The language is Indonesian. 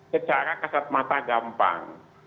secara kasat mata gampang